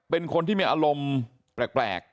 เป็นคนที่มีอารมณ์แปลก